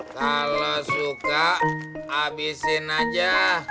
kalau suka habisin aja